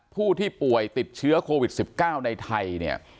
ผู้ที่ป่วยติดเชื้อโควิด๑๙ในไทยเนี่ย